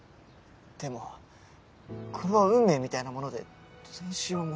でもこれは運命みたいなものでどうしようも。